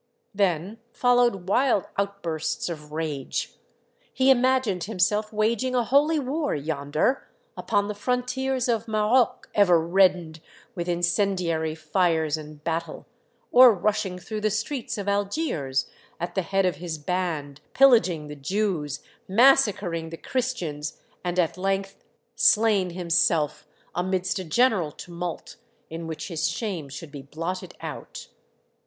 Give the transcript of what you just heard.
" Then followed wild outbursts of rage. He im agined himself waging a holy war yonder, upon the frontiers of Maroc ever reddened with incen diary fires and battle, or rushing through the streets of Algiers at the head of his band, pillaging the Jews, massacring the Christians, and at length slain himself, amidst a general tumult in which his shame should be blotted out.